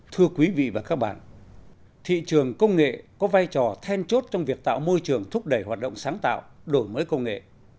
thưa quý vị và các bạn thị trường công nghệ có vai trò then chốt trong việc tạo môi trường thúc đẩy hoạt động sáng tạo đổi mới công nghệ